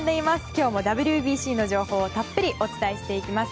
今日もＷＢＣの情報をたっぷりお伝えしていきます。